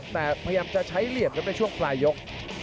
แต่พยายามจะใช้เหลี่ยมครับในช่วงปลายยก